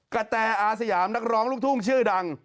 กระแตอาสยามนักร้องลูกทุ่งชื่อดัง